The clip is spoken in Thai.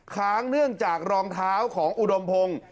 ค้างเนื่องจากรองเท้าของอุดมพงศ์